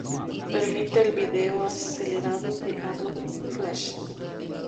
Permite el vídeo acelerado de Adobe Flash.